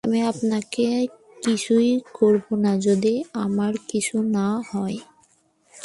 আমি আপনাকে কিছুই করব না যদি আমার কিছু না হয়।